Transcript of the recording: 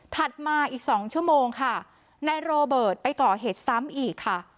มาอีก๒ชั่วโมงค่ะนายโรเบิร์ตไปก่อเหตุซ้ำอีกค่ะ